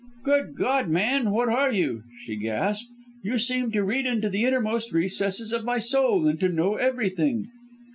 "'Good God, man, what are you?' she gasped. 'You seem to read into the innermost recesses of my soul, and to know everything.'